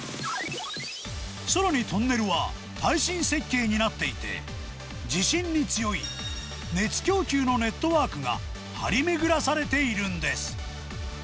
さらにトンネルは、耐震設計になっていて、地震に強い熱供給のネットワークが張り巡らされているんです。